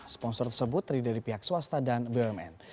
sponsor tersebut terdiri dari pihak swasta dan bumn